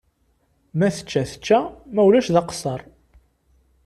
Ma tečča, tečča, ma ulac d aqeṣṣer.